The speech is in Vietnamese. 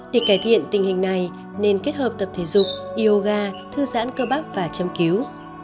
để cải thiện tình hình này nên kết hợp tập thể dục yoga thư giãn cơ bác và châm cứu